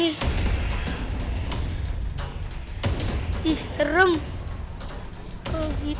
kalau gitu kita harus kabur dari sini